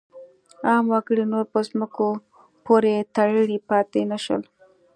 عام وګړي نور په ځمکو پورې تړلي پاتې نه شول.